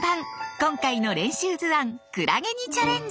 今回の練習図案「クラゲ」にチャレンジ！